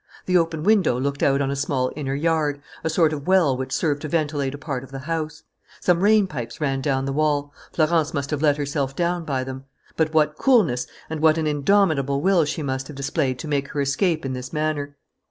The open window looked out on a small inner yard, a sort of well which served to ventilate a part of the house. Some rain pipes ran down the wall. Florence must have let herself down by them. But what coolness and what an indomitable will she must have displayed to make her escape in this manner!